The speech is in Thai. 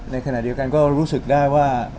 ในขณะเดียวกันก็รู้สึกได้ว่า